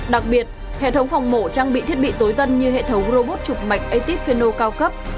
đặc biệt hệ thống phòng mổ trang bị thiết bị tối tân như hệ thống robot chụp mạch atip fino cao cấp